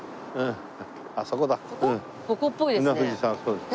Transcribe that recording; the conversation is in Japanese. ここっぽいですね。